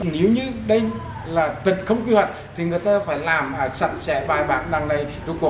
nếu như đây là tình không kế hoạch thì người ta phải làm sẵn sẻ bài bạc năng này